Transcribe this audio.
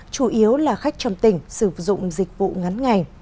chủ yếu là khách trong tỉnh sử dụng dịch vụ ngắn ngày